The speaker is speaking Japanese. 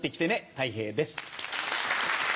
たい平です。